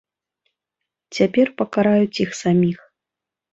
Цяпер пакараюць іх саміх.